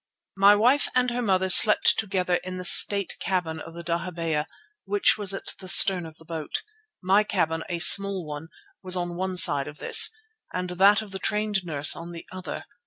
"My wife and her mother slept together in the state cabin of the dahabeeyah, which was at the stern of the boat. My cabin, a small one, was on one side of this, and that of the trained nurse on the other.